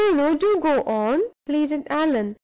"No, no; do go on!" pleaded Allan.